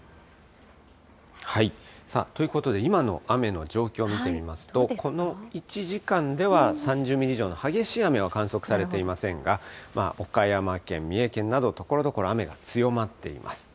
さあ、ということで今の雨の状況を見てみますと、この１時間では３０ミリ以上の激しい雨は観測されていませんが、岡山県、三重県など、ところどころ雨が強まっています。